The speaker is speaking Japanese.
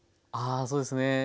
あそうですね。